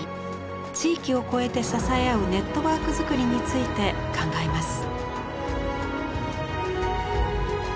地域を超えて支え合うネットワークづくりについて考えます。